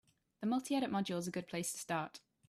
The multi-edit module is a good place to start.